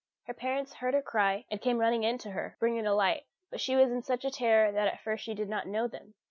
Her parents heard her cry, and came running in to her, bringing a light; but she was in such a terror that at first she did not know them.